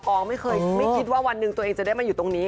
ไม่เคยไม่คิดว่าวันหนึ่งตัวเองจะได้มาอยู่ตรงนี้